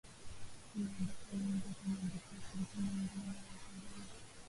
Ila angefanya hivyo kama angepewa ushirikiano mdogo na wazee hao